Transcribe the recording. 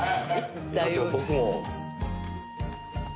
じゃあ僕も。